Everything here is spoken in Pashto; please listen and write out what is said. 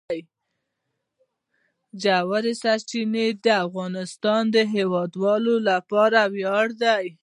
ژورې سرچینې د افغانستان د هیوادوالو لپاره ویاړ دی.